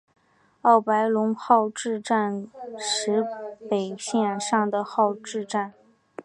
奥白泷号志站石北本线上的号志站。